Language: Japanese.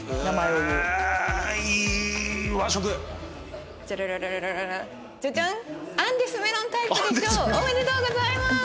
おめでとうございます！